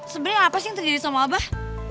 sebenarnya apa sih yang terjadi sama abah